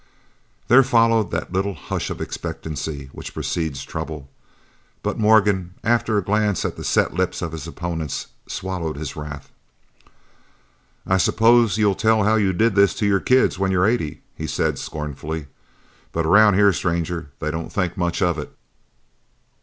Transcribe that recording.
There followed that little hush of expectancy which precedes trouble, but Morgan, after a glance at the set lips of his opponent, swallowed his wrath. "I s'pose you'll tell how you did this to your kids when you're eighty," he said scornfully, "but around here, stranger, they don't think much of it.